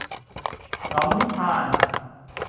感嘆